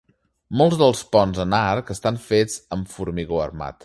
Molts dels ponts en arc estan fets amb formigó armat.